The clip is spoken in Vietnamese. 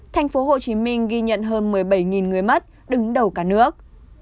tp hcm ghi nhận hơn một mươi bảy người mất đứng đầu cả nước